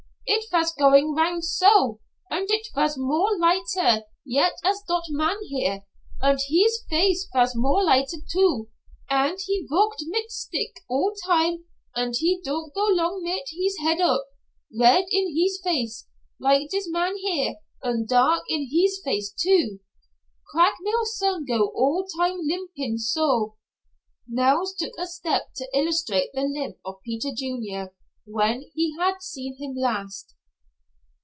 "It vas goin round so, und it vas more lighter yet as dot man here, und hees face vas more lighter too, und he valked mit stick all time und he don' go long mit hees head up, red in hees face like dis man here und dark in hees face too. Craikmile's son go all time limpin' so." Nels took a step to illustrate the limp of Peter Junior when he had seen him last.